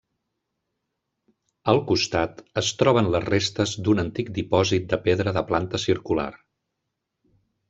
Al costat es troben les restes d'un antic dipòsit de pedra de planta circular.